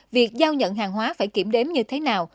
việc giao nhận hàng hóa phải kiểm đếm như thế nào